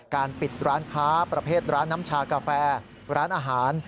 การปิดร้านค้าประเภทร้านน้ำชากาแฟร้านอาหาร